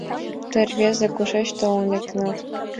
— Тый, рвезе, кушеч толын лектынат?